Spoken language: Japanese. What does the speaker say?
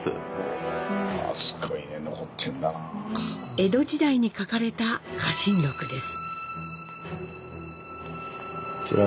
江戸時代に書かれた家臣録です。